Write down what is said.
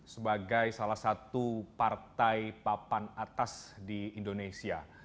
sebagai salah satu partai papan atas di indonesia